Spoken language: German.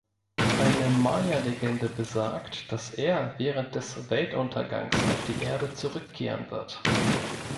Eine Maya-Legende besagt, dass er während des Weltuntergangs auf die Erde zurückkehren wird.